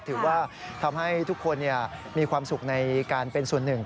ถือว่าทำให้ทุกคนมีความสุขในการเป็นส่วนหนึ่ง